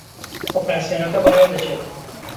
ئۆپراسیۆنەکە بەڕێوە دەچێت